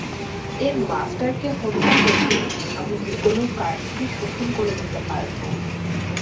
এর মাস্টারকে হত্যা করলেই, আমি যেকোনো কার্সকে শোষণ করে নিতে পারবো।